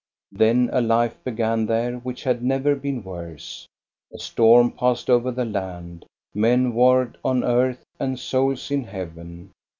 Then a life began there which had never been worse. A storm passed over the land; men warred on earth, and souls in heaven.